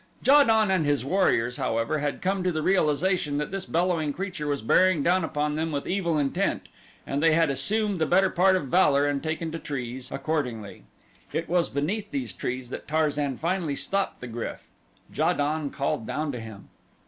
Ja don and his warriors, however, had come to the realization that this bellowing creature was bearing down upon them with evil intent and they had assumed the better part of valor and taken to trees, accordingly. It was beneath these trees that Tarzan finally stopped the GRYF. Ja don called down to him.